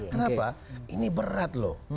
kenapa ini berat loh